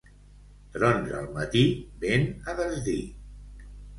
Trons al matí, vent a desdir.